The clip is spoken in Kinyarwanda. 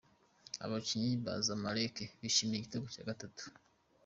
Abakinnyi ba Zamalek bishimira igitego cya gatatu.